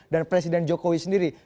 dan presiden jokowi sendiri